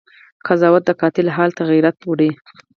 قضاوت د قاتل حال ته حيرت وړی